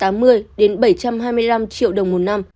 hai trăm tám mươi bảy trăm hai mươi năm triệu đồng một năm